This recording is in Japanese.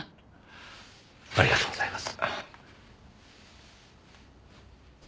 ありがとうございます。